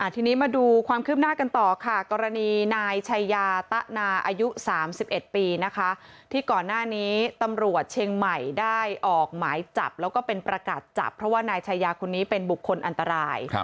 ทีนี้มาดูความคืบหน้ากันต่อค่ะกรณีนายชายาตะนาอายุ๓๑ปีนะคะที่ก่อนหน้านี้ตำรวจเชียงใหม่ได้ออกหมายจับแล้วก็เป็นประกาศจับเพราะว่านายชายาคนนี้เป็นบุคคลอันตราย